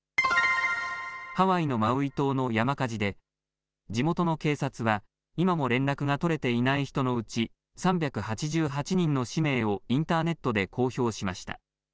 ハワイのマウイ島の山火事で、地元の警察は、今も連絡が取れていない人のうち３８８人の氏名をインターネットで公表しました。